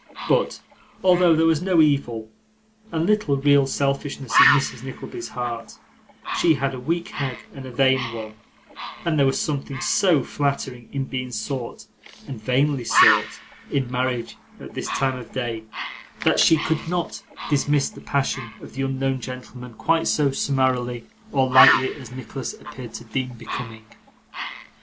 But, although there was no evil and little real selfishness in Mrs. Nickleby's heart, she had a weak head and a vain one; and there was something so flattering in being sought (and vainly sought) in marriage at this time of day, that she could not dismiss the passion of the unknown gentleman quite so summarily or lightly as Nicholas appeared to deem becoming.